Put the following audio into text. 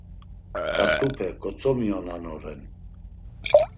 Ǩat̆upe gotzomiyonanoren.